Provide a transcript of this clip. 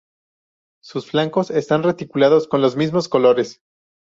Sus flancos están reticulados con los mismos colores.